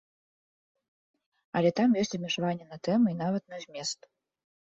Але там ёсць абмежаванні на тэмы і нават на змест.